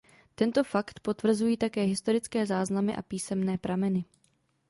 Tento fakt potvrzují také historické záznamy a písemné prameny.